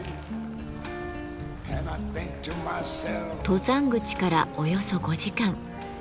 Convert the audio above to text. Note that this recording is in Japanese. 登山口からおよそ５時間。